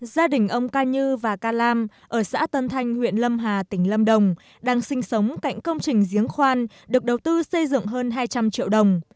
gia đình ông ca như và ca lam ở xã tân thanh huyện lâm hà tỉnh lâm đồng đang sinh sống cạnh công trình giếng khoan được đầu tư xây dựng hơn hai trăm linh triệu đồng